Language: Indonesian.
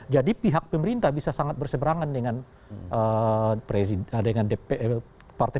jadi pihak pemerintah bisa sangat berseberangan dengan partai